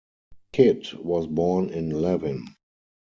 Kidd was born in Levin.